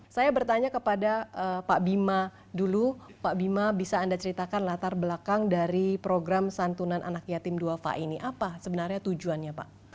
saya bertanya kepada pak bima dulu pak bima bisa anda ceritakan latar belakang dari program santunan anak yatim duafa ini apa sebenarnya tujuannya pak